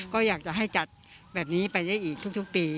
ก็อยากจะให้จัดแบบนี้ไปได้อีกทุกปี